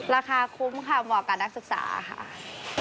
ราคาคุ้มค่ะเหมาะกับนักศึกษาค่ะ